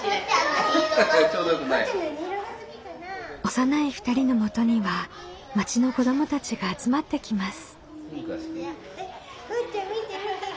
幼い２人のもとには町の子どもたちが集まってきます。